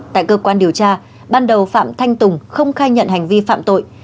tại cơ quan điều tra ban đầu phạm thanh tùng không khai nhận hành vi phạm tội